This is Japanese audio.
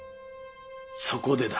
そこでだ。